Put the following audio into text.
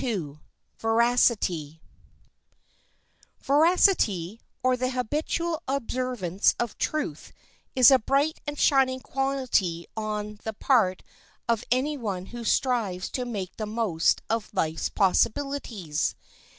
] Veracity, or the habitual observance of truth, is a bright and shining quality on the part of any one who strives to make the most of life's possibilities.